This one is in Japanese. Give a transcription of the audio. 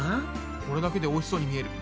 これだけでおいしそうに見える。